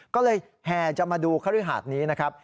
ก็เลยแห่จะมาดูคฤหาดนี้นะครับ